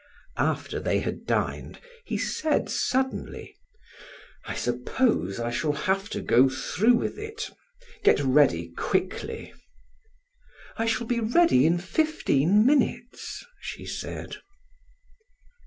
After they had dined, he said suddenly, "I suppose I shall have to go through with it. Get ready quickly." "I shall be ready in fifteen minutes," she said.